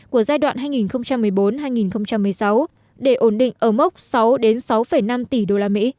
của giai đoạn hai nghìn một mươi bốn hai nghìn một mươi sáu để ổn định ở mốc sáu sáu năm tỷ usd